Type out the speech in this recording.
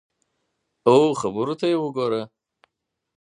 او خبرو ته یې وګوره !